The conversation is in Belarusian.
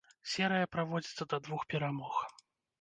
Серыя праводзіцца да двух перамог.